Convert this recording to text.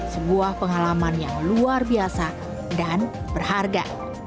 sebuah pengalaman yang luar biasa dan berharga